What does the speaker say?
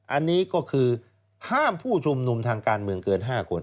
อันนี้ก็คือห้ามผู้ชุมนุมทางการเมืองเกิน๕คน